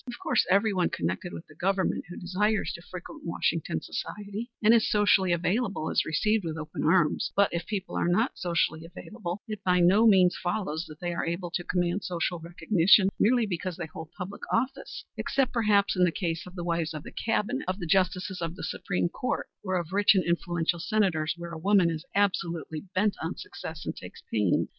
Of course everyone connected with the government who desires to frequent Washington society and is socially available is received with open arms; but, if people are not socially available, it by no means follows that they are able to command social recognition merely because they hold political office, except perhaps in the case of wives of the Cabinet, of the Justices of the Supreme Court, or of rich and influential Senators, where a woman is absolutely bent on success and takes pains.